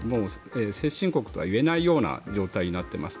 先進国とは言えないような状態になっています。